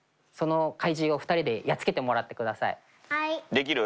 できる？